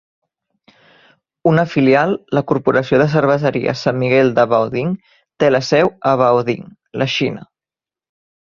Una filial, la Corporació de Cerveseria San Miguel de Baoding, té la seu a Baoding (la Xina).